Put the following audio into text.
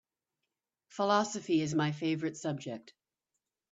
Philosophy is my favorite subject.